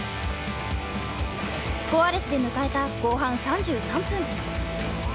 スコアレスで迎えた後半３３分。